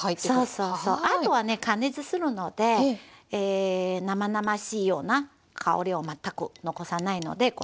そうそうそう後はね加熱するので生々しいような香りを全く残さないのでご安心下さい。